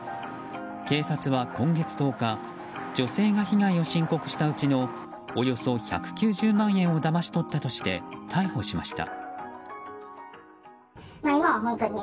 警察は今月１０日女性が被害を申告したうちのおよそ１９０万円をだまし取ったとして逮捕しました。